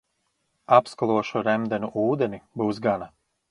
Apskalošu ar remdenu ūdeni, būs gana.